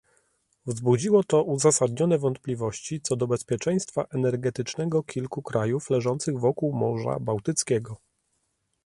Wzbudziło to uzasadnione wątpliwości co do bezpieczeństwa energetycznego kilku krajów leżących wokół Morza Bałtyckiego